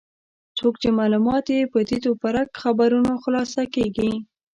څوک چې معلومات یې په تیت و پرک خبرونو خلاصه کېږي.